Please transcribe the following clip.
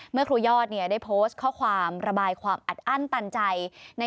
เมื่อครูยอดได้โพสต์ข้อความระบายความอัดอั้นตันใจ